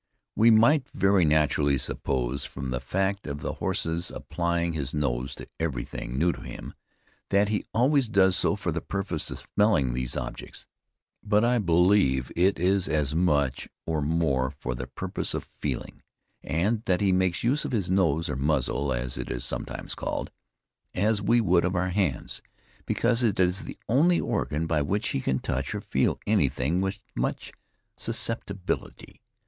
We might very naturally suppose, from the fact of the horse's applying his nose to every thing new to him, that he always does so for the purpose of smelling these objects. But I believe that it is as much or more for the purpose of feeling; and that he makes use of his nose or muzzle, (as it is sometimes called.) as we would of our hands; because it is the only organ by which he can touch or feel anything with much susceptibility.